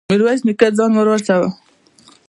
ميرويس نيکه ځان ور ورساوه.